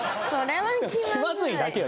気まずいだけよ。